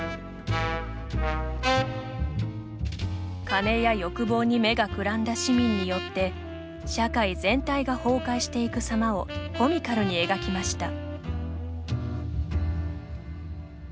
金や欲望に目がくらんだ市民によって社会全体が崩壊していくさまをコミカルに描きました。